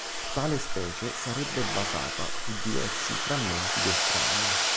Tale specie sarebbe basata su diversi frammenti del cranio.